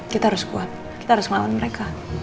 kita harus kuat kita harus melawan mereka